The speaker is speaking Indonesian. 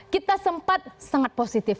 kita sempat sangat positif